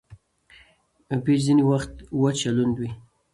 پيچ ځیني وخت وچ یا لوند يي.